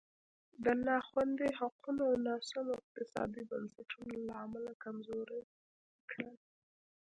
د نا خوندي حقونو او ناسمو اقتصادي بنسټونو له امله کمزوری کړل.